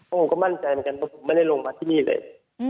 ผมก็มั่นใจเหมือนกันว่าผมไม่ได้ลงมาที่นี่เลย